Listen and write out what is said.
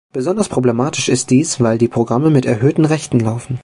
Besonders problematisch ist dies, weil die Programme mit erhöhten Rechten laufen.